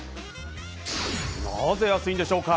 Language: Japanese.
なぜ安いんでしょうか。